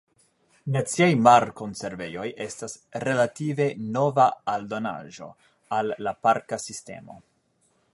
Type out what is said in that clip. Naciaj Mar-Konservejoj estas relative nova aldonaĵo al la parka sistemo.